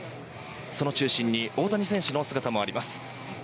その中心に大谷選手の姿もあります。